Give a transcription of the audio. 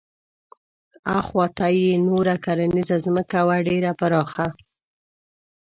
اخواته یې نوره کرنیزه ځمکه وه ډېره پراخه.